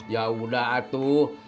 ya udah atuh